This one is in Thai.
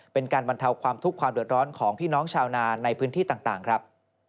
เป็นการบรรเทาความทุกข์ความเดือดร้อนของพี่น้องชาวนาในพื้นที่ต่างครับ